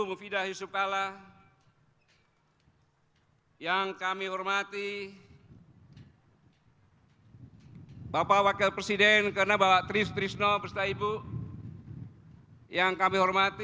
para pimpinan lembaga tertinggi